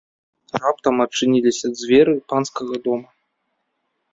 Раптам адчыніліся дзверы панскага дома.